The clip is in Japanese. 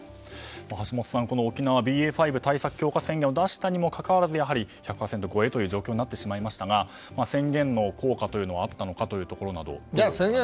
橋下さん、沖縄はＢＡ．５対策強化宣言を出したにもかかわらず１００％超えという状況になってしまいましたが宣言の効果というのはあったのかというところなどどうですか。